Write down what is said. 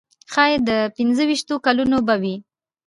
ښایي د پنځه ویشتو کلونو به وي.